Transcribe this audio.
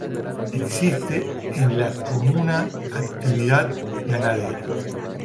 Existe en la comuna actividad ganadera.